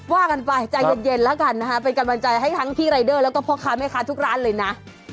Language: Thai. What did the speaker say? ว่ากันไปใจเย็นแล้วกันนะคะเป็นกำลังใจให้ทั้งพี่รายเดอร์แล้วก็พ่อค้าแม่ค้าทุกร้านเลยนะ